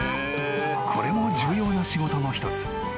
［これも重要な仕事の一つ］